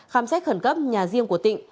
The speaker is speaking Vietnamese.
khám xét khẩn cấp nhà riêng của tịnh